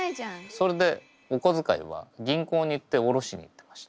それでおこづかいは銀行に行っておろしに行ってました。